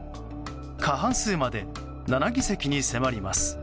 過半数まで７議席に迫ります。